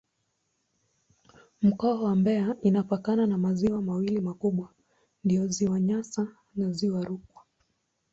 Mkoa wa Mbeya inapakana na maziwa mawili makubwa ndiyo Ziwa Nyasa na Ziwa Rukwa.